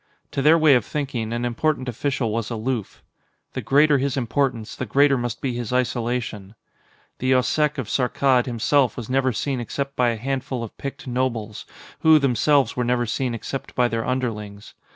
To their way of thinking, an important official was aloof. The greater his importance, the greater must be his isolation. The Occeq of Saarkkad himself was never seen except by a handful of picked nobles, who, themselves, were never seen except by their underlings.